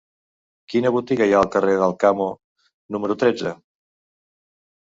Quina botiga hi ha al carrer d'Alcamo número tretze?